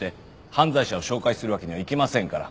犯罪者を紹介するわけにはいきませんから。